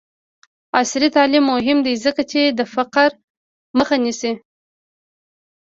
عصري تعلیم مهم دی ځکه چې د فقر مخه نیسي.